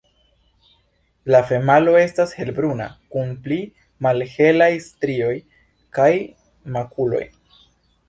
La femalo estas helbruna, kun pli malhelaj strioj kaj makuloj.